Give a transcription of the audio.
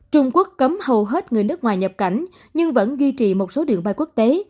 trung quốc cấm hầu hết người nước ngoài nhập cảnh nhưng vẫn duy trì một số đường bay quốc tế